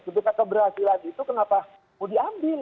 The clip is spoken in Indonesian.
ketika keberhasilan itu kenapa mau diambil